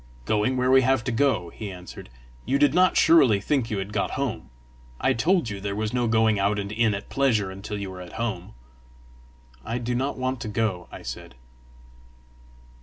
"Going where we have to go," he answered. "You did not surely think you had got home? I told you there was no going out and in at pleasure until you were at home!" "I do not want to go," I said.